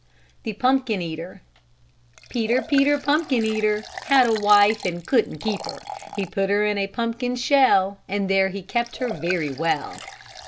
THE PUMPKIN EATER Peter, Peter, pumpkin eater, Had a wife and couldn't keep her; He put her in a pumpkin shell, And there he kept her very well.